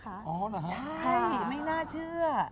ใช่ไม่น่าเชื่อ